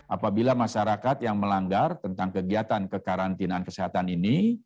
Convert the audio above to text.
apabila masyarakat yang melanggar tentang kegiatan kekarantinaan kesehatan ini